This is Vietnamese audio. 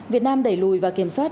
việt nam đẩy lùi và kiểm soát